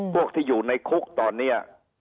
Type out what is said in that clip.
พวกที่อยู่ในคุกตอนนี้